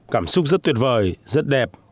cảm xúc rất tuyệt vời rất đẹp